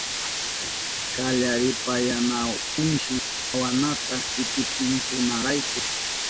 Kallaripayanahunshi awanata itipinkunarayku.